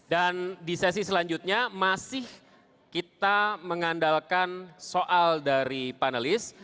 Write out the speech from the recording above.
dan di sesi selanjutnya masih kita mengandalkan soal dari panelis